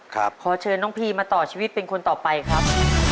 ขอเชิญน้องพีมาต่อชีวิตเป็นคนต่อไปครับ